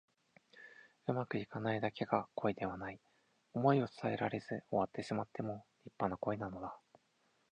うまくいかないだけが恋ではない。想いを伝えられず終わってしまっても立派な恋なのだ。